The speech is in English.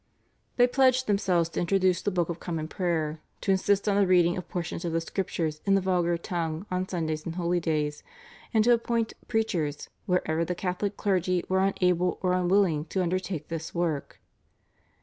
They pledged themselves to introduce the Book of Common Prayer, to insist on the reading of portions of the Scriptures in the vulgar tongue on Sundays and holidays, and to appoint preachers wherever the Catholic clergy were unable or unwilling to undertake this work.